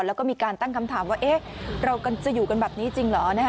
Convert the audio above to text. แล้วก็มีการตั้งคำถามว่าเอ๊ะเราจะอยู่กันแบบนี้จริงเหรอ